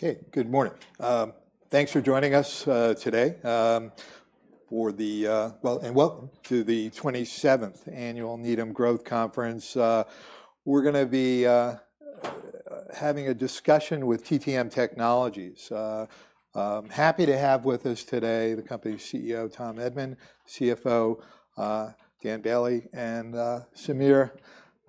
Okay, good morning. Thanks for joining us today for the, well, and welcome to the 27th Annual Needham Growth Conference. We're going to be having a discussion with TTM Technologies. I'm happy to have with us today the company's CEO, Tom Edman, CFO, Dan Bailey, and Sameer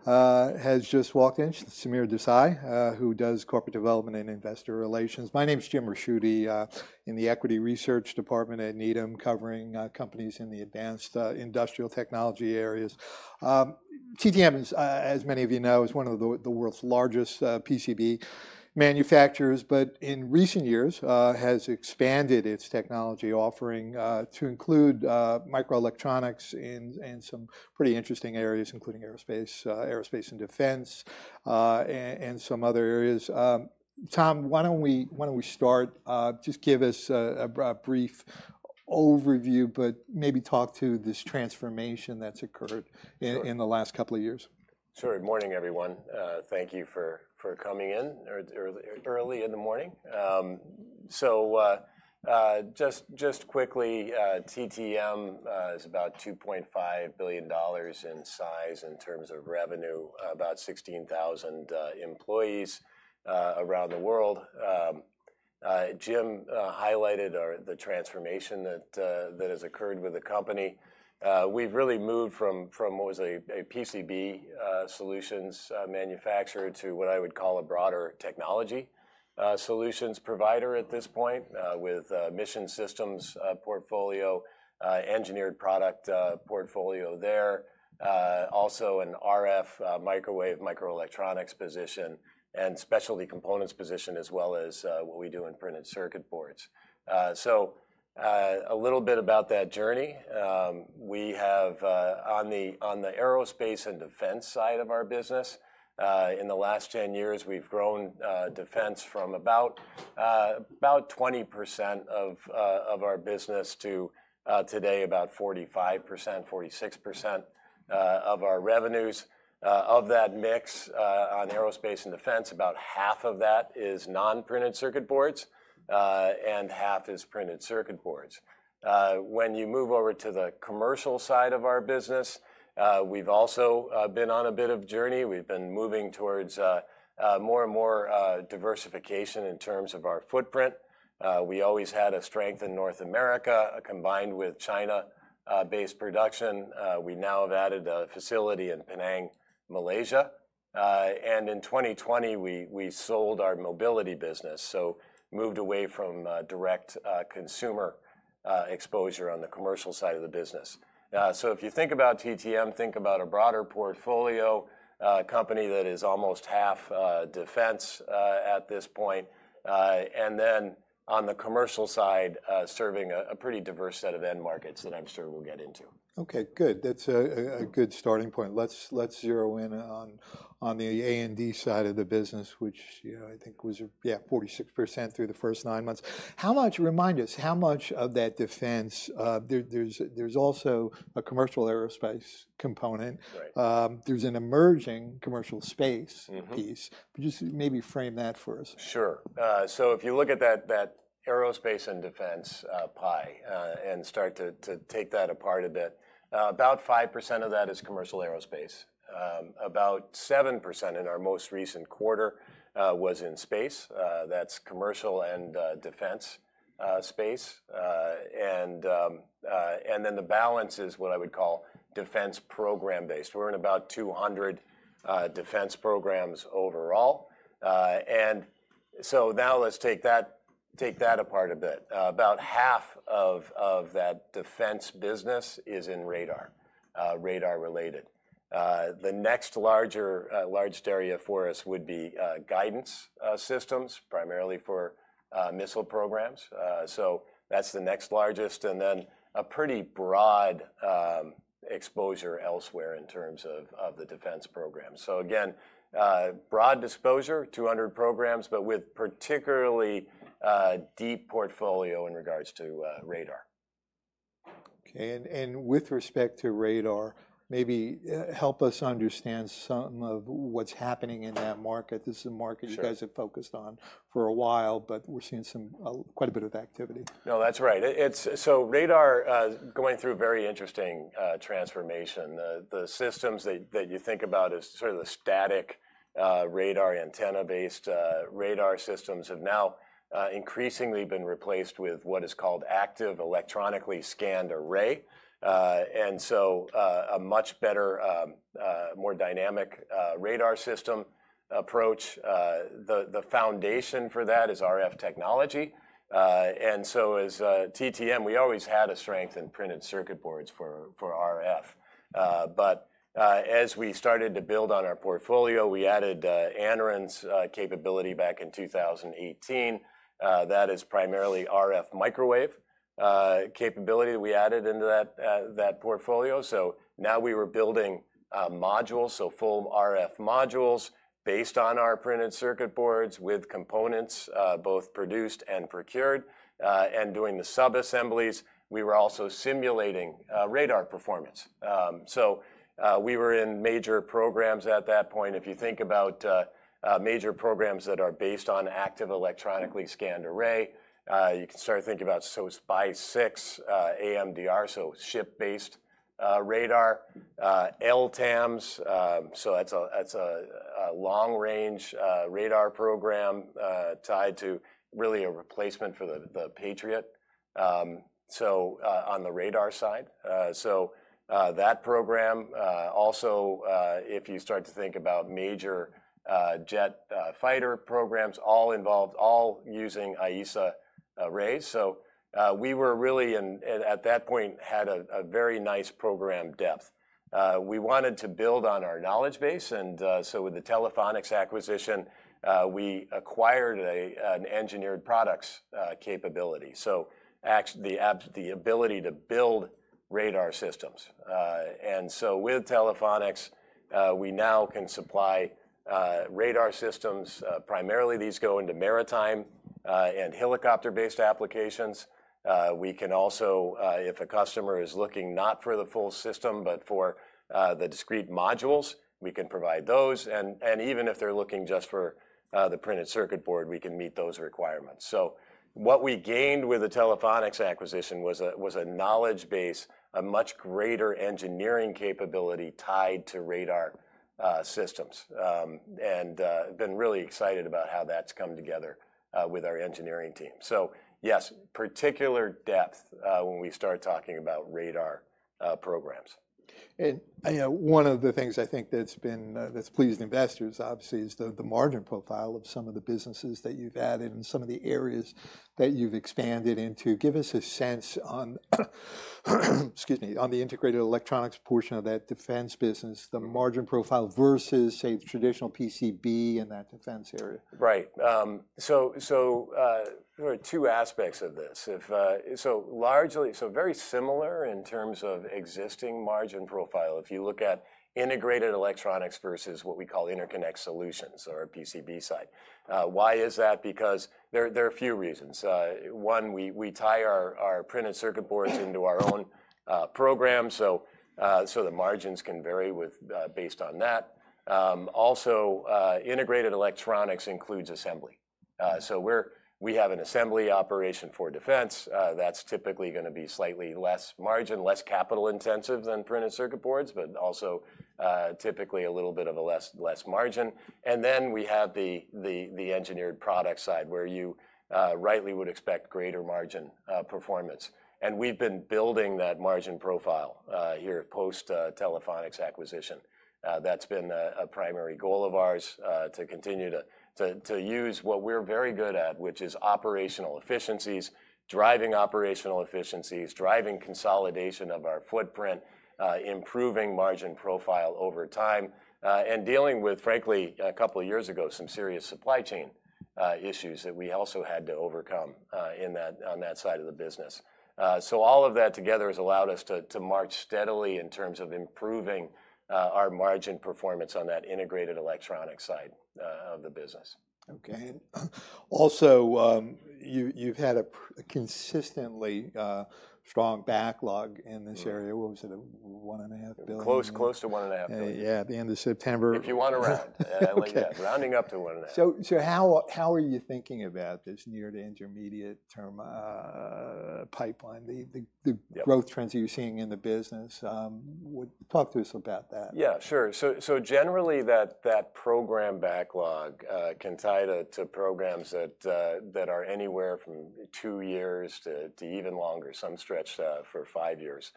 has just walked in. Sameer Desai, who does corporate development and investor relations. My name is Jim Ricchiuti, in the Equity Research Department at Needham, covering companies in the advanced industrial technology areas. TTM, as many of you know, is one of the world's largest PCB manufacturers, but in recent years, has expanded its technology offering to include microelectronics in some pretty interesting areas, including Aerospace & Defense, and some other areas. Tom, why don't we start, just give us a brief overview, but maybe talk to this transformation that's occurred in the last couple of years. Sure. Good morning, everyone. Thank you for coming in early in the morning. So, just quickly, TTM is about $2.5 billion in size in terms of revenue, about 16,000 employees around the world. Jim highlighted the transformation that has occurred with the company. We've really moved from what was a PCB solutions manufacturer to what I would call a broader technology solutions provider at this point, with mission systems portfolio, engineered product portfolio there, also an RF microwave microelectronics position and specialty components position, as well as what we do in printed circuit boards. So, a little bit about that journey. We have, on the Aerospace & Defense side of our business, in the last 10 years, we've grown defense from about 20% of our business to, today, about 45% to 46% of our revenues. Of that mix, on Aerospace & Defense, about half of that is non-printed circuit boards, and half is printed circuit boards. When you move over to the commercial side of our business, we've also been on a bit of journey. We've been moving towards, more and more, diversification in terms of our footprint. We always had a strength in North America, combined with China-based production. We now have added a facility in Penang, Malaysia. And in 2020, we sold our Mobility business, so moved away from direct consumer exposure on the commercial side of the business. So if you think about TTM, think about a broader portfolio company that is almost half defense at this point, and then on the commercial side, serving a pretty diverse set of end markets that I'm sure we'll get into. Okay, good. That's a good starting point. Let's zero in on the A&D side of the business, which, you know, I think was, yeah, 46% through the first nine months. How much? Remind us how much of that defense. There's also a commercial aerospace component. Right. There's an emerging commercial space piece. Just maybe frame that for us. Sure. If you look at that Aerospace & Defense pie and start to take that apart a bit, about 5% of that is commercial aerospace. About 7% in our most recent quarter was in space. That's commercial and defense space. And then the balance is what I would call defense program-based. We're in about 200 defense programs overall. Now let's take that apart a bit. About half of that defense business is in radar-related. The next largest area for us would be guidance systems, primarily for missile programs. That's the next largest. Then a pretty broad exposure elsewhere in terms of the defense program. Again, broad exposure, 200 programs, but with particularly deep portfolio in regards to radar. Okay. And with respect to radar, maybe help us understand some of what's happening in that market. This is a market you guys have focused on for a while, but we're seeing quite a bit of activity. No, that's right. It's so radar going through a very interesting transformation. The systems that you think about as sort of the static radar antenna based radar systems have now increasingly been replaced with what is called active electronically scanned array, and so a much better more dynamic radar system approach. The foundation for that is RF technology, and so as TTM we always had a strength in printed circuit boards for RF, but as we started to build on our portfolio we added Anaren's capability back in 2018. That is primarily RF microwave capability that we added into that portfolio. So now we were building modules, so full RF modules based on our printed circuit boards with components both produced and procured and doing the sub assemblies. We were also simulating radar performance, so we were in major programs at that point. If you think about major programs that are based on active electronically scanned array, you can start to think about SPY-6, AMDR, so ship-based radar, LTAMDS. So that's a long-range radar program, tied to really a replacement for the Patriot. So on the radar side. So that program also, if you start to think about major jet fighter programs, all involved all using AESA arrays. So we were really in at that point had a very nice program depth. We wanted to build on our knowledge base. So with the Telephonics acquisition, we acquired an engineered products capability. So the ability to build radar systems. And so with Telephonics, we now can supply radar systems. Primarily these go into maritime and helicopter-based applications. We can also, if a customer is looking not for the full system, but for the discrete modules, we can provide those. And even if they're looking just for the printed circuit board, we can meet those requirements. So what we gained with the Telephonics acquisition was a knowledge base, a much greater engineering capability tied to radar systems. And been really excited about how that's come together with our engineering team. So yes, particular depth when we start talking about radar programs. You know, one of the things I think that's been pleased investors, obviously, is the margin profile of some of the businesses that you've added and some of the areas that you've expanded into. Give us a sense on excuse me, on the integrated electronics portion of that defense business, the margin profile versus, say, the traditional PCB in that defense area. Right. So there are two aspects of this. Largely very similar in terms of existing margin profile. If you look at integrated electronics versus what we call Interconnect Solutions or a PCB side. Why is that? Because there are a few reasons. One, we tie our printed circuit boards into our own program. So the margins can vary with based on that. Also, integrated electronics includes assembly. So we have an assembly operation for defense. That's typically going to be slightly less margin, less capital intensive than printed circuit boards, but also typically a little bit of a less margin. Then we have the engineered product side where you rightly would expect greater margin performance. We've been building that margin profile here post Telephonics acquisition. That's been a primary goal of ours, to continue to use what we're very good at, which is operational efficiencies, driving consolidation of our footprint, improving margin profile over time, and dealing with, frankly, a couple of years ago, some serious supply chain issues that we also had to overcome in that, on that side of the business, so all of that together has allowed us to march steadily in terms of improving our margin performance on that Integrated Electronics side of the business. Okay. And also, you've had a consistently strong backlog in this area. What was it? $1.5 billion? Close to $1.5 billion. Yeah. At the end of September. If you want to round, I like that. Rounding up to one and a half. So how are you thinking about this near- to intermediate-term pipeline, the growth trends that you're seeing in the business? Talk to us about that. Yeah, sure. So generally that program backlog can tie to programs that are anywhere from two years to even longer, some stretch for five years.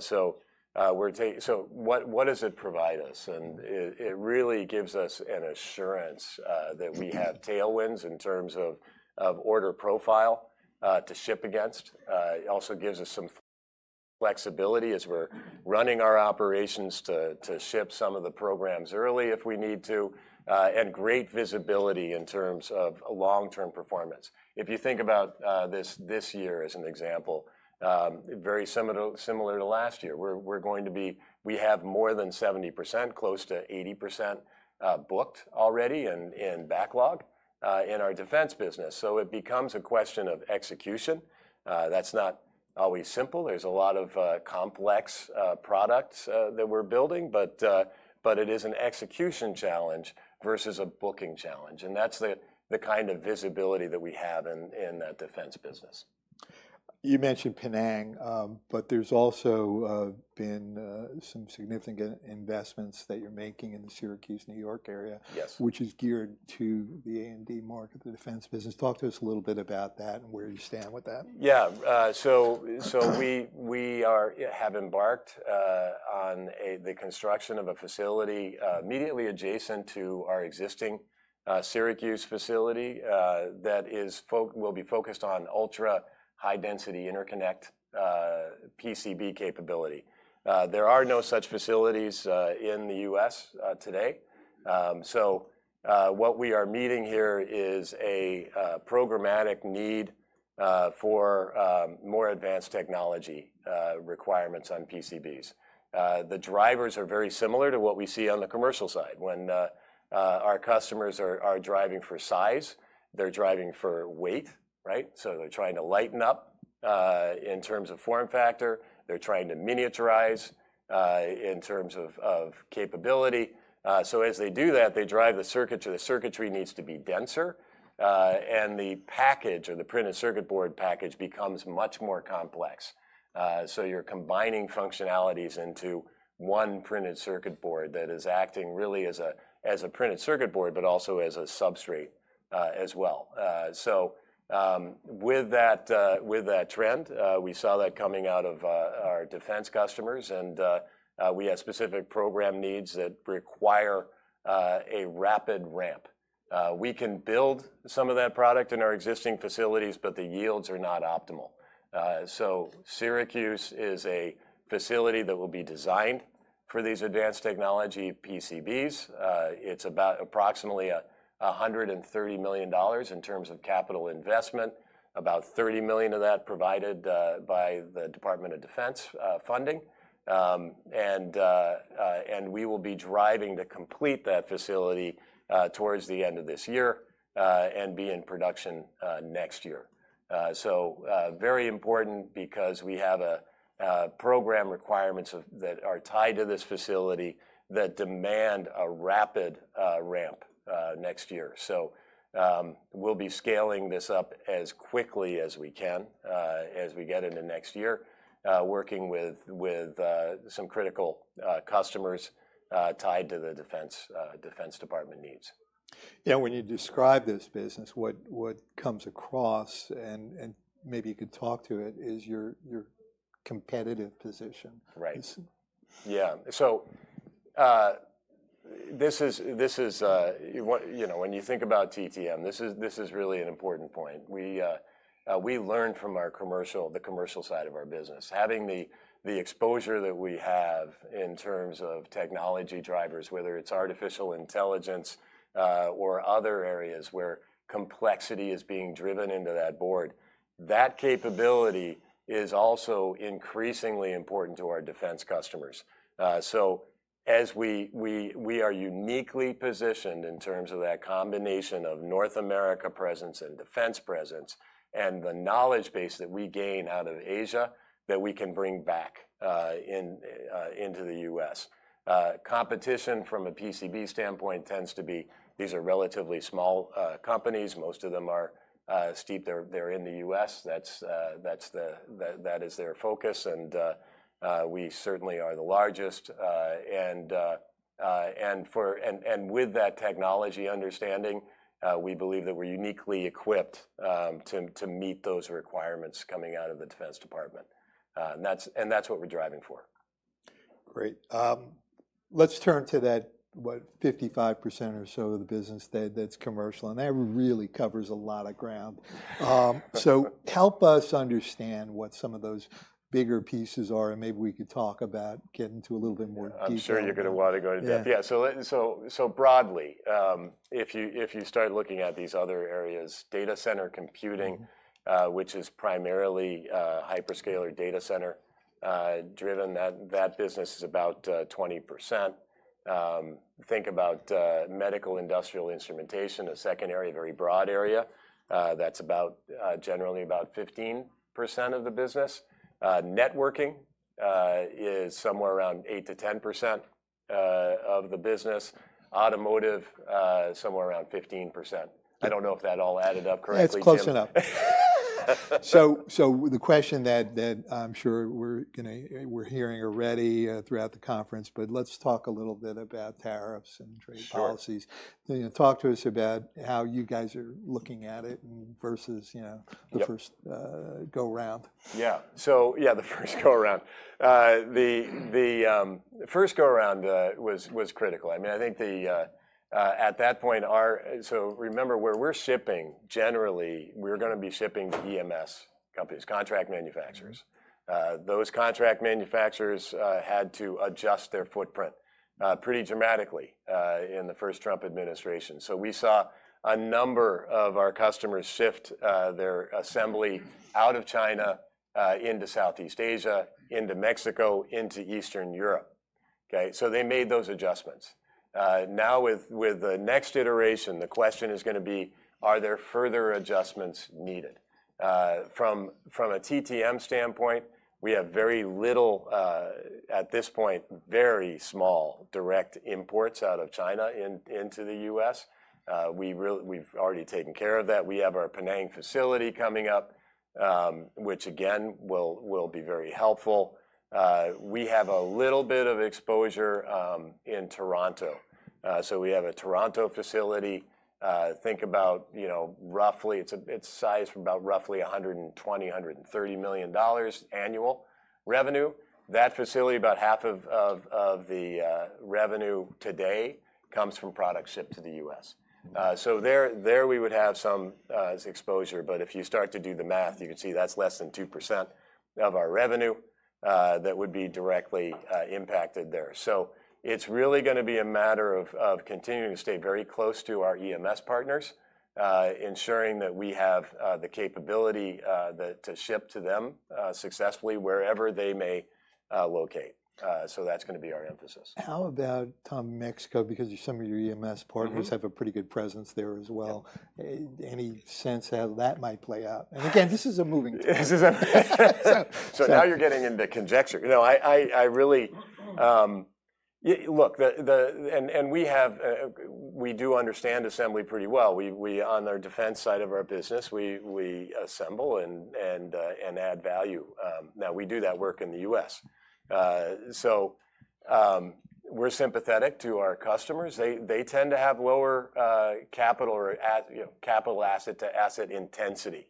So what does it provide us? And it really gives us an assurance that we have tailwinds in terms of order profile to ship against. It also gives us some flexibility as we're running our operations to ship some of the programs early if we need to, and great visibility in terms of long term performance. If you think about this year as an example, very similar to last year, we're going to have more than 70%, close to 80%, booked already in backlog in our defense business. So it becomes a question of execution. That's not always simple. There's a lot of complex products that we're building, but it is an execution challenge versus a booking challenge, and that's the kind of visibility that we have in that defense business. You mentioned Penang, but there's also been some significant investments that you're making in the Syracuse, New York area. Yes. Which is geared to the A&D market, the defense business. Talk to us a little bit about that and where you stand with that. Yeah. So we have embarked on the construction of a facility immediately adjacent to our existing Syracuse facility that will be focused on ultra-high density interconnect PCB capability. There are no such facilities in the U.S. today. What we are meeting here is a programmatic need for more advanced technology requirements on PCBs. The drivers are very similar to what we see on the commercial side when our customers are driving for size. They're driving for weight, right? They're trying to lighten up in terms of form factor. They're trying to miniaturize in terms of capability. As they do that, they drive the circuitry needs to be denser. And the package or the printed circuit board package becomes much more complex. So you're combining functionalities into one printed circuit board that is acting really as a printed circuit board, but also as a substrate, as well. So, with that trend, we saw that coming out of our defense customers. And we have specific program needs that require a rapid ramp. We can build some of that product in our existing facilities, but the yields are not optimal. So Syracuse is a facility that will be designed for these advanced technology PCBs. It's about approximately $130 million in terms of capital investment, about $30 million of that provided by the Department of Defense funding. And we will be driving to complete that facility towards the end of this year and be in production next year. Very important because we have program requirements that are tied to this facility that demand a rapid ramp next year. So, we'll be scaling this up as quickly as we can as we get into next year, working with some critical customers tied to the Defense Department needs. Yeah. When you describe this business, what comes across and maybe you could talk to it is your competitive position. Right. Yeah. So, this is, you know, when you think about TTM, this is really an important point. We learned from our commercial side of our business, having the exposure that we have in terms of technology drivers, whether it's artificial intelligence, or other areas where complexity is being driven into that board. That capability is also increasingly important to our defense customers, so as we are uniquely positioned in terms of that combination of North America presence and defense presence and the knowledge base that we gain out of Asia that we can bring back into the U.S. Competition from a PCB standpoint tends to be relatively small companies. Most of them are steep. They're in the U.S. That's that is their focus. And we certainly are the largest. With that technology understanding, we believe that we're uniquely equipped to meet those requirements coming out of the Defense Department. That's what we're driving for. Great. Let's turn to that, what, 55% or so of the business that's commercial. And that really covers a lot of ground. So help us understand what some of those bigger pieces are. And maybe we could talk about getting to a little bit more detail. I'm sure you're going to want to go into depth. Yeah. So broadly, if you start looking at these other areas, Data Center Computing, which is primarily hyperscaler data center driven, that business is about 20%. Think about Medical, Industrial & Instrumentation, a secondary very broad area. That's about, generally about 15% of the business. Networking is somewhere around 8% to 10% of the business. Automotive, somewhere around 15%. I don't know if that all added up correctly. That's close enough, so the question that I'm sure we're going to hear already, throughout the conference, but let's talk a little bit about tariffs and trade policies. You know, talk to us about how you guys are looking at it versus, you know, the first go around. Yeah. So yeah, the first go around was critical. I mean, I think at that point, so remember where we're shipping. Generally, we're going to be shipping EMS companies, contract manufacturers. Those contract manufacturers had to adjust their footprint pretty dramatically in the first Trump administration. So we saw a number of our customers shift their assembly out of China, into Southeast Asia, into Mexico, into Eastern Europe. Okay. So they made those adjustments. Now with the next iteration, the question is going to be, are there further adjustments needed? From a TTM standpoint, we have very little, at this point, very small direct imports out of China into the U.S. We really have already taken care of that. We have our Penang facility coming up, which again, will be very helpful. We have a little bit of exposure in Toronto, so we have a Toronto facility. Think about, you know, roughly it's sized for about $120 to 130 million annual revenue. That facility, about half of the revenue today comes from products shipped to the U.S. So there we would have some exposure. But if you start to do the math, you can see that's less than 2% of our revenue that would be directly impacted there. So it's really going to be a matter of continuing to stay very close to our EMS partners, ensuring that we have the capability to ship to them successfully wherever they may locate. That's going to be our emphasis. How about, Tom, Mexico? Because some of your EMS partners have a pretty good presence there as well. Any sense how that might play out? And again, this is a moving target. This is a moving tool. So now you're getting into conjecture. You know, I really, look, and we do understand assembly pretty well. We on our defense side of our business, we assemble and add value. Now we do that work in the U.S. So, we're sympathetic to our customers. They tend to have lower capital or, you know, capital asset to asset intensity.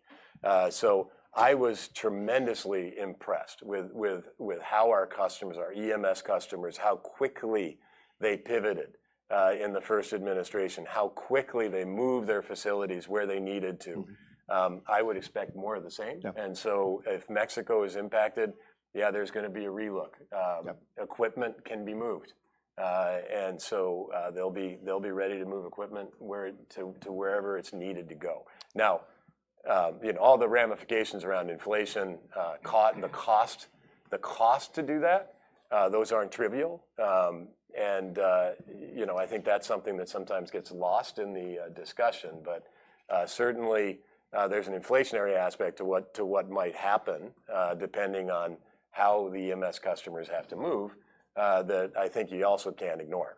So I was tremendously impressed with how our customers, our EMS customers, how quickly they pivoted in the first administration, how quickly they moved their facilities where they needed to. I would expect more of the same, and so if Mexico is impacted, yeah, there's going to be a relook. Equipment can be moved, and so they'll be ready to move equipment to wherever it's needed to go. Now, you know, all the ramifications around inflation cost, the cost to do that, those aren't trivial. And, you know, I think that's something that sometimes gets lost in the discussion. But certainly, there's an inflationary aspect to what might happen, depending on how the EMS customers have to move, that I think you also can't ignore.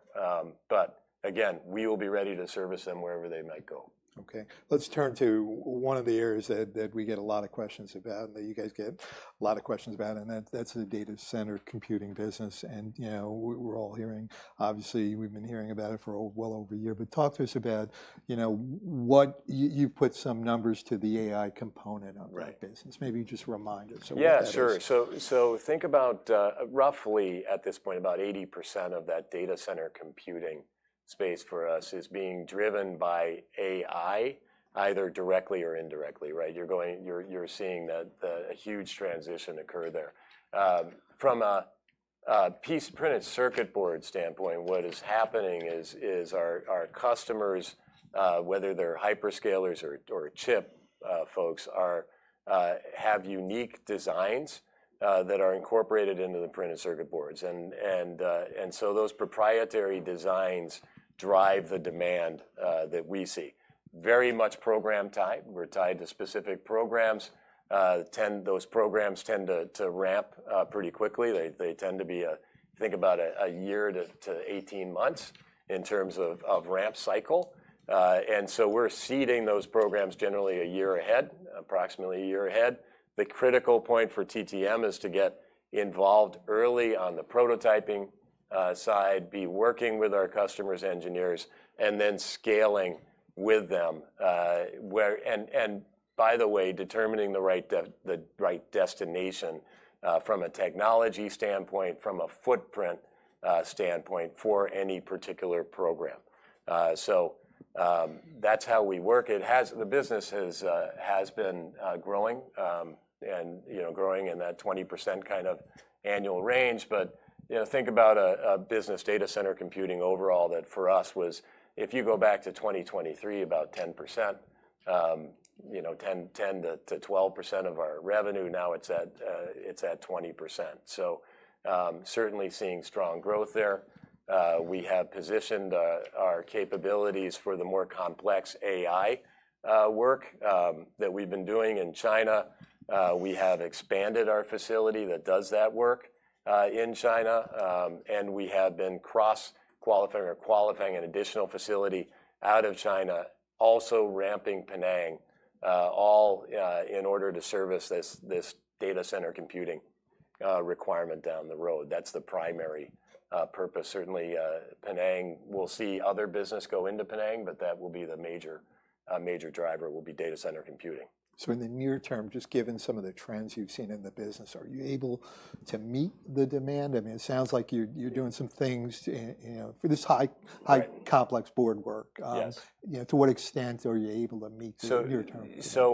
But again, we will be ready to service them wherever they might go. Okay. Let's turn to one of the areas that we get a lot of questions about and that you guys get a lot of questions about, and that's the Data Center Computing business. You know, we're all hearing, obviously, we've been hearing about it for well over a year, but talk to us about, you know, what you've put some numbers to the AI component of that business. Maybe you just remind us. Yeah, sure. So think about, roughly at this point, about 80% of that Data Center Computing space for us is being driven by AI, either directly or indirectly, right? You're seeing that a huge transition occur there. From a PCB standpoint, what is happening is our customers, whether they're hyperscalers or chip folks, have unique designs that are incorporated into the printed circuit boards. And so those proprietary designs drive the demand that we see. Very much program tied. We're tied to specific programs. Those programs tend to ramp pretty quickly. They tend to be, think about, a year to 18 months in terms of ramp cycle. And so we're seeding those programs generally a year ahead, approximately a year ahead. The critical point for TTM is to get involved early on the prototyping side, be working with our customers, engineers, and then scaling with them, where and by the way, determining the right destination, from a technology standpoint, from a footprint standpoint for any particular program. That's how we work. The business has been growing, and you know, growing in that 20% kind of annual range. You know, think about a business Data Center Computing overall that for us was, if you go back to 2023, about 10%, you know, 10% to 12% of our revenue. Now it's at 20%. Certainly seeing strong growth there. We have positioned our capabilities for the more complex AI work that we've been doing in China. We have expanded our facility that does that work in China. And we have been cross qualifying or qualifying an additional facility out of China, also ramping Penang, all in order to service this Data Center Computing requirement down the road. That's the primary purpose. Certainly, Penang, we'll see other business go into Penang, but that will be the major driver will be Data Center Computing. In the near term, just given some of the trends you've seen in the business, are you able to meet the demand? I mean, it sounds like you're doing some things, you know, for this high complex board work. You know, to what extent are you able to meet the near term? So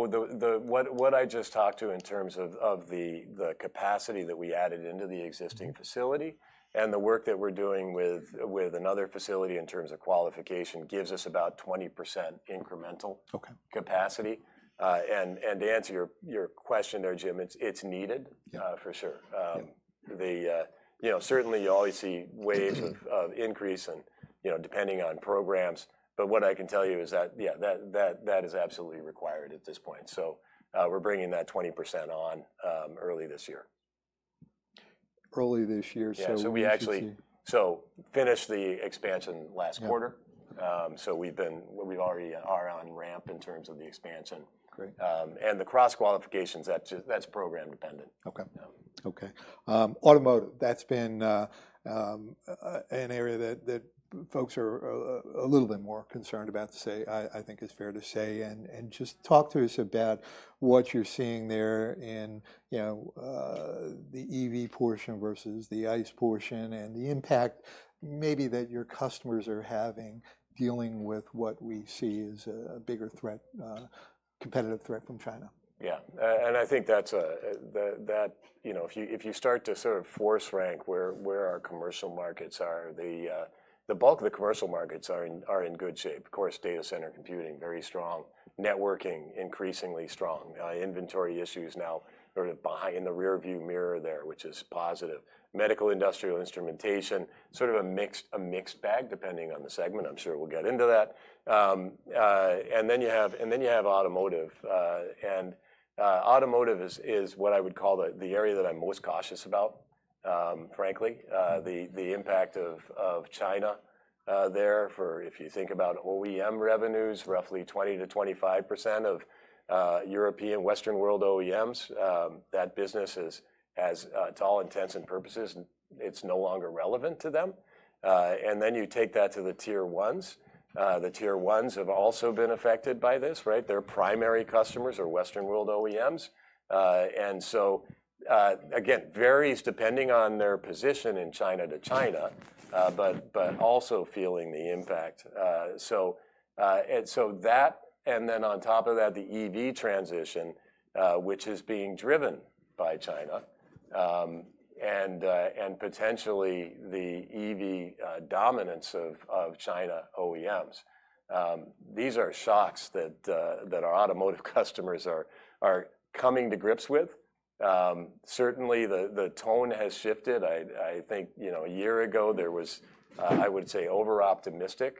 what I just talked about in terms of the capacity that we added into the existing facility and the work that we're doing with another facility in terms of qualification gives us about 20% incremental capacity. And to answer your question there, Jim, it's needed, for sure. You know, certainly you always see waves of increase and, you know, depending on programs. But what I can tell you is that, yeah, that is absolutely required at this point. We're bringing that 20% on early this year. Early this year. Yeah. So we actually finished the expansion last quarter. So we've already been on ramp in terms of the expansion, and the cross qualifications, that's program dependent. Okay. Automotive, that's been an area that folks are a little bit more concerned about, to say, I think, is fair to say. And just talk to us about what you're seeing there in, you know, the EV portion versus the ICE portion and the impact maybe that your customers are having dealing with what we see as a bigger threat, competitive threat from China. Yeah. And I think that's that, you know, if you start to sort of force rank where our commercial markets are, the bulk of the commercial markets are in good shape. Of course, Data Center Computing, very strong, networking, increasingly strong, inventory issues now sort of behind in the rearview mirror there, which is positive. Medical industrial instrumentation, sort of a mixed bag depending on the segment. I'm sure we'll get into that. And then you have automotive. Automotive is what I would call the area that I'm most cautious about, frankly, the impact of China there. Therefore, if you think about OEM revenues, roughly 20% to 25% of European Western world OEMs, that business has to all intents and purposes, it's no longer relevant to them. And then you take that to the tier ones. The tier ones have also been affected by this, right? Their primary customers are Western world OEMs. And so, again, varies depending on their position in China to China, but also feeling the impact. So, and so that and then on top of that, the EV transition, which is being driven by China, and potentially the EV dominance of China OEMs. These are shocks that our automotive customers are coming to grips with. Certainly the tone has shifted. I think, you know, a year ago there was, I would say overoptimistic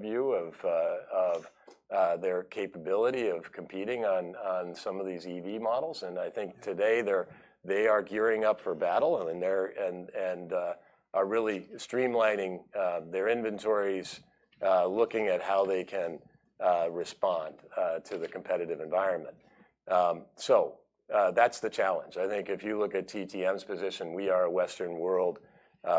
view of their capability of competing on some of these EV models. I think today they are gearing up for battle and they are really streamlining their inventories, looking at how they can respond to the competitive environment. That's the challenge. I think if you look at TTM's position, we are a Western world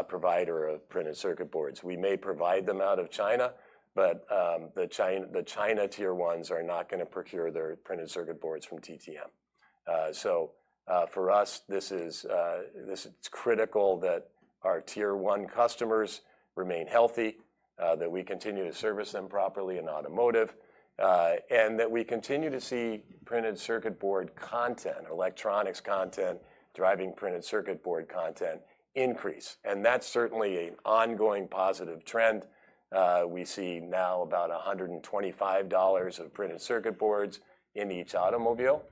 provider of printed circuit boards. We may provide them out of China, but the China tier ones are not going to procure their printed circuit boards from TTM. For us, it's critical that our tier one customers remain healthy, that we continue to service them properly in automotive, and that we continue to see printed circuit board content, electronics content, driving printed circuit board content increase. That's certainly an ongoing positive trend. We see now about $125 of printed circuit boards in each automobile.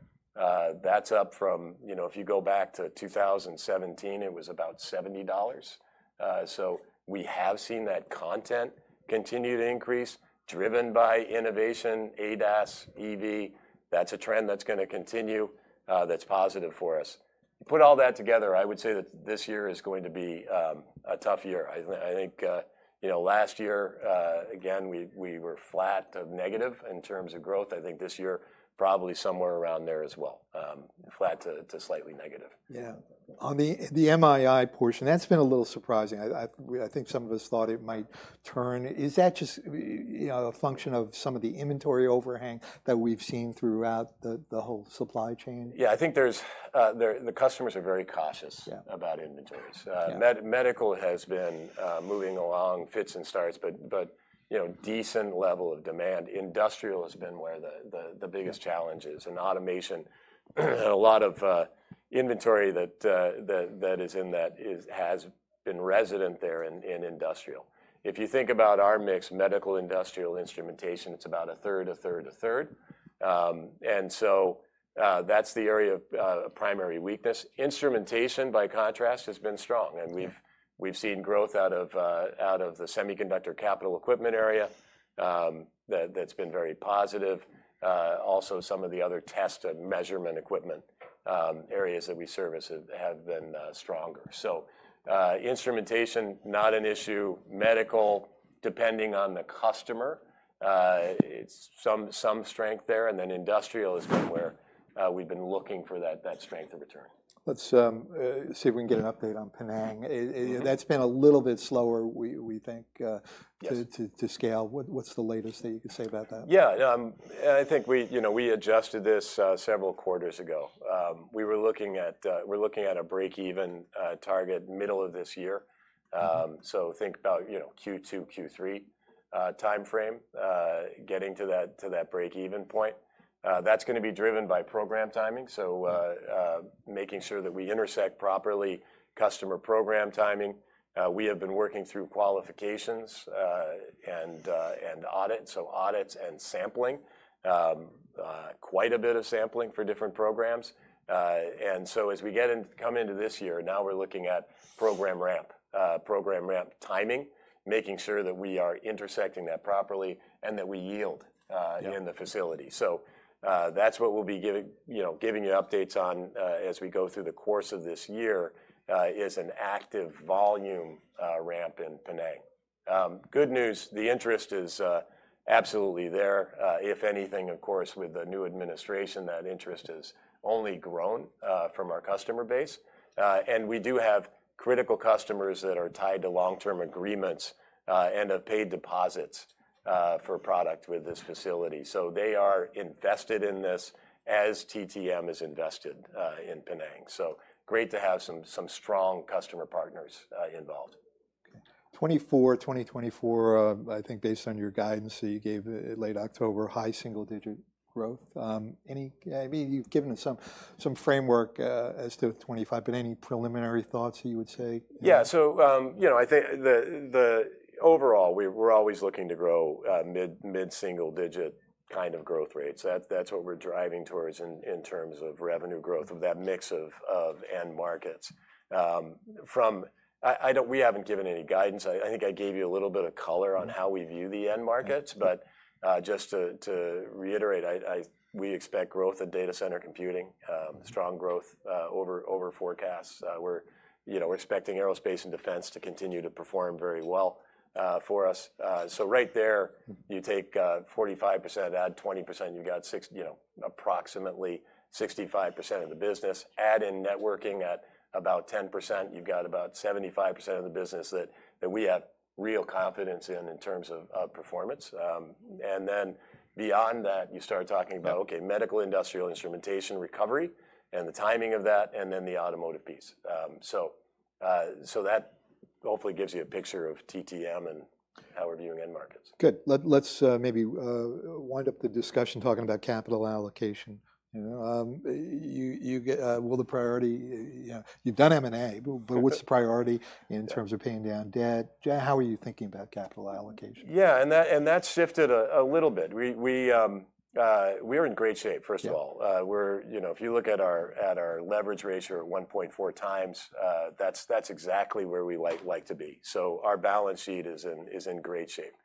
That's up from, you know, if you go back to 2017, it was about $70. So we have seen that content continue to increase driven by innovation, ADAS, EV. That's a trend that's going to continue, that's positive for us. Put all that together, I would say that this year is going to be a tough year. I think, you know, last year, again, we were flat or negative in terms of growth. I think this year probably somewhere around there as well, flat to slightly negative. Yeah. On the MII portion, that's been a little surprising. I think some of us thought it might turn. Is that just, you know, a function of some of the inventory overhang that we've seen throughout the whole supply chain? Yeah, I think there's the customers are very cautious about inventories. Medical has been moving along in fits and starts, but you know, decent level of demand. Industrial has been where the biggest challenge is in automation. And a lot of inventory that is has been resident there in industrial. If you think about our mix, medical, industrial, instrumentation, it's about a third, a third, a third. And so, that's the area of primary weakness. Instrumentation, by contrast, has been strong. And we've seen growth out of the semiconductor capital equipment area, that's been very positive. Also some of the other test and measurement equipment areas that we service have been stronger. So, instrumentation, not an issue. Medical, depending on the customer, it's some strength there. And then industrial has been where we've been looking for that strength to return. Let's see if we can get an update on Penang. That's been a little bit slower, we think, to scale. What's the latest that you can say about that? Yeah. I think we, you know, we adjusted this several quarters ago. We were looking at, we're looking at a breakeven target middle of this year. So think about, you know, Q2, Q3 timeframe, getting to that to that breakeven point. That's going to be driven by program timing. So, making sure that we intersect properly customer program timing. We have been working through qualifications, and audit. So audits and sampling, quite a bit of sampling for different programs. And so as we get into this year, now we're looking at program ramp, program ramp timing, making sure that we are intersecting that properly and that we yield in the facility. So, that's what we'll be giving, you know, giving you updates on, as we go through the course of this year, is an active volume ramp in Penang. Good news. The interest is, absolutely there. If anything, of course, with the new administration, that interest has only grown from our customer base, and we do have critical customers that are tied to long-term agreements, and have paid deposits for product with this facility. So they are invested in this as TTM is invested in Penang, so great to have some strong customer partners involved. Okay. 2024, I think based on your guidance that you gave late October, high single-digit growth. I mean, you've given us some framework as to 2025, but any preliminary thoughts that you would say? Yeah. So, you know, I think the overall, we're always looking to grow, mid single-digit kind of growth rates. That's what we're driving towards in terms of revenue growth of that mix of end markets. I don't, we haven't given any guidance. I think I gave you a little bit of color on how we view the end markets. But, just to reiterate, we expect growth in Data Center Computing, strong growth, over forecasts. We're, you know, expecting Aerospace & Defense to continue to perform very well, for us. So right there, you take, 45%, add 20%, you've got six, you know, approximately 65% of the business. Add in networking at about 10%, you've got about 75% of the business that we have real confidence in terms of performance. And then beyond that, you start talking about, okay, medical, industrial, instrumentation, recovery, and the timing of that, and then the automotive piece. So that hopefully gives you a picture of TTM and how we're viewing end markets. Good. Let's maybe wind up the discussion talking about capital allocation. You know, you get. Will the priority you know, you've done M&A, but what's the priority in terms of paying down debt? How are you thinking about capital allocation? Yeah. And that's shifted a little bit. We're in great shape, first of all. We're, you know, if you look at our leverage ratio at 1.4 times, that's exactly where we like to be. So our balance sheet is in great shape.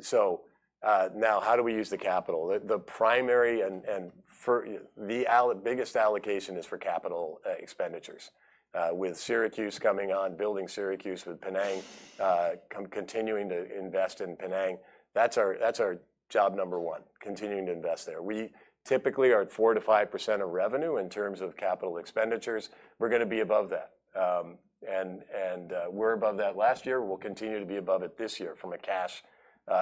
So, now how do we use the capital? The primary and for the biggest allocation is for capital expenditures, with Syracuse coming on, building Syracuse with Penang, continuing to invest in Penang. That's our job number one, continuing to invest there. We typically are at 4%-5% of revenue in terms of capital expenditures. We're going to be above that. And, we're above that last year. We'll continue to be above it this year from a cash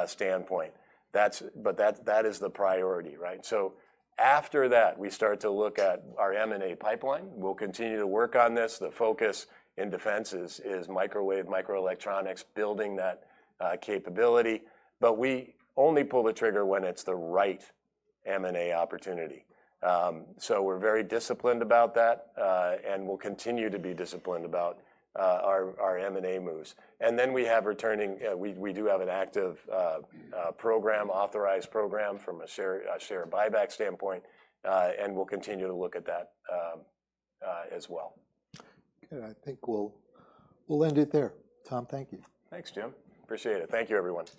standpoint. But that is the priority, right? So after that, we start to look at our M&A pipeline. We'll continue to work on this. The focus in defense is microwave, microelectronics, building that capability. But we only pull the trigger when it's the right M&A opportunity, so we're very disciplined about that, and we'll continue to be disciplined about our M&A moves, and then we have returning. We do have an active authorized program from a share buyback standpoint, and we'll continue to look at that as well. Good. I think we'll end it there. Tom, thank you. Thanks, Jim. Appreciate it. Thank you, everyone.